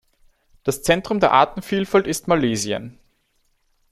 Das Zentrum der Artenvielfalt ist Malesien.